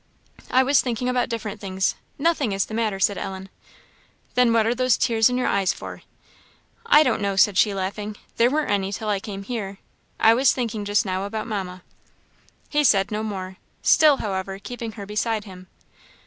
"I was thinking about different things nothing is the matter," said Ellen. "Then what are those tears in your eyes for?" "I don't know," said she, laughing "there weren't any till I came here. I was thinking just now about Mamma." He said no more still, however, keeping her beside him.